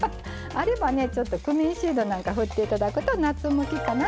あればねクミンシードなんか振っていただくと夏向きかなと思います。